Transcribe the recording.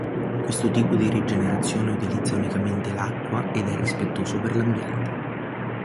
Questo tipo di rigenerazione utilizza unicamente l'acqua ed è rispettoso per l'ambiente.